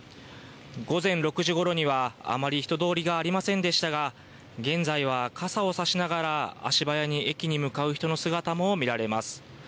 午前６時ごろには、あまり人通りがありませんでしたが、現在は傘を差しながら、足早に駅に向かう人の姿も見られます。